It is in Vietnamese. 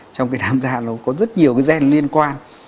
trong cái nám da nó có rất nhiều cái gen liên quan